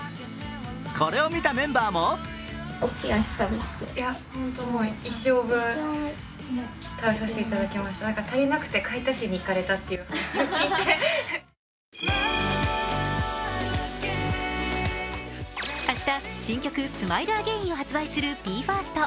これを見たメンバーも明日新曲「ＳｍｉｌｅＡｇａｉｎ」を発売するＢＥ：ＦＩＲＳＴ。